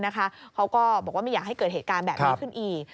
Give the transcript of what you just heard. เขาก็บอกว่าไม่อยากให้เกิดเหตุการณ์แบบนี้ขึ้นอีก